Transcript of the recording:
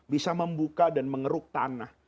bisa membuka dan mengeruk tanah